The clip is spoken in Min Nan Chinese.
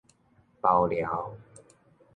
包療